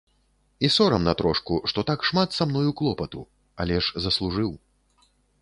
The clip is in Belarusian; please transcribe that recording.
І сорамна трошку, што так шмат са мною клопату, але ж заслужыў.